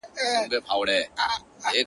زۀ د تا سره نختره! زمزمه کړم